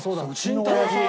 慎太郎さん。